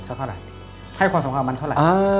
ให้ความสำคัญของมันเท่าไหร่